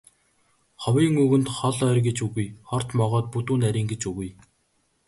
Ховын үгэнд хол ойр гэж үгүй, хорт могойд бүдүүн нарийн гэж үгүй.